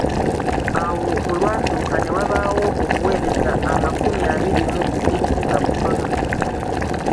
Awo olwatuuka ne wabaawo obuweereza amakumi abiri mu bubiri nga butono.